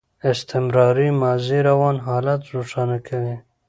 استمراري ماضي روان حالت روښانه کوي.